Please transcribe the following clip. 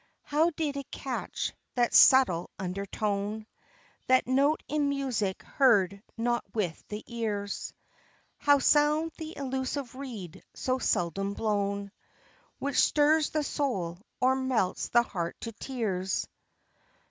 How did it catch that subtle undertone, That note in music heard not with the ears? How sound the elusive reed so seldom blown, Which stirs the soul or melts the heart to tears.